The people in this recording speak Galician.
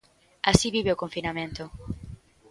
Así vive o confinamento.